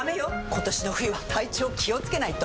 今年の冬は体調気をつけないと！